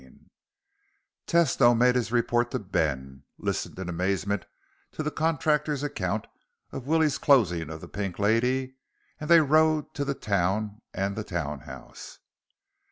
XIX Tesno made his report to Ben, listened in amazement to the contractor's account of Willie's closing of the Pink Lady, and they rode to the town and the townhouse.